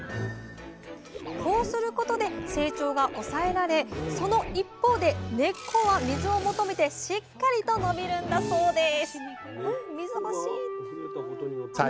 こうすることで成長が抑えられその一方で根っこは水を求めてしっかりと伸びるんだそうです